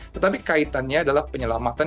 tetapi kaitannya adalah penyelamatan